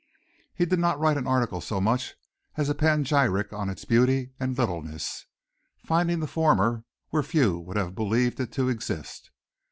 He did not write an article so much as a panegyric on its beauty and littleness, finding the former where few would have believed it to exist.